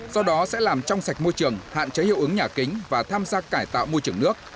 do đó sẽ làm trong sạch môi trường hạn chế hiệu ứng nhà kính và tham gia cải tạo môi trường nước